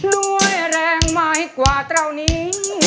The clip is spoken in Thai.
ด้วยแรงมากกว่าเตรียมนี้